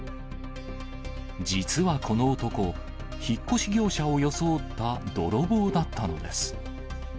実はこの男、引っ越し業者を装った泥棒だったのです。